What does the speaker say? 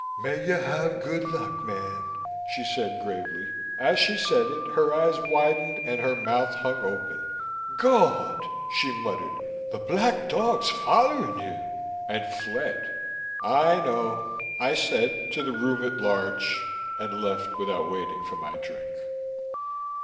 "May you have good luck, man," she said gravely. As she said it, her eyes widened and her mouth hung open. "Gawd!" she muttered. "The black dog's follering you!" and fled. "I know," I said to the room at large, and left without waiting for my drink.